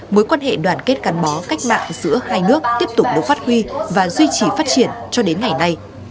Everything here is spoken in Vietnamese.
mối quan hệ đoàn kết gắn bó cách mạng giữa hai nước tiếp tục được phát huy và duy trì phát triển cho đến ngày nay